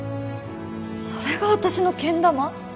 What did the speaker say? それが私のけん玉！？